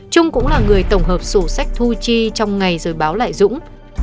trung cũng là người tổng hợp sổ sách thu chi trong ngày rồi báo lại dũng